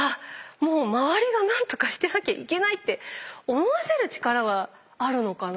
もう周りがなんとかしてなきゃいけないって思わせる力はあるのかなって。